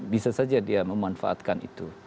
bisa saja dia memanfaatkan itu